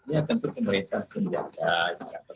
ya tentu pemerintah penjaga